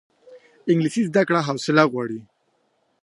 انګلیسي زده کړه حوصله غواړي